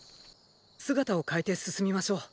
姿を変えて進みましょう。